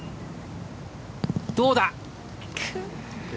どうだ。